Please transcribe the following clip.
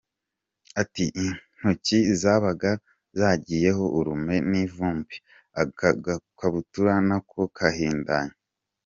Ati “Intoki zabaga zagiyeho urume n’ivumbi, agakabutura na ko kahindanye.